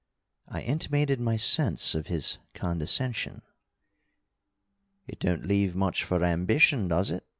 I intimated my sense of his condescension. "It don't leave much for ambition, does it?"